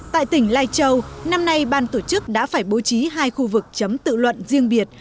tại tỉnh lai châu năm nay ban tổ chức đã phải bố trí hai khu vực chấm tự luận riêng biệt